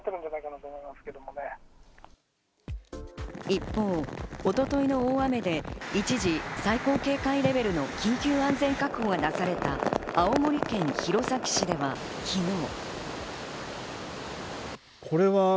一方、一昨日の大雨で一時、最高警戒レベルの緊急安全確保が出された、青森県弘前市では昨日。